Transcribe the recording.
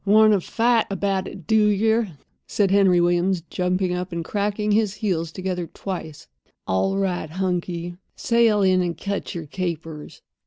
"Wanter fight about it, do yer?" said Henry Williams, jumping up and cracking his heels together twice. "All right, hunky—sail in and cut yer capers."